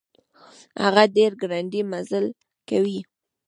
هغه ډير ګړندی مزل کوي.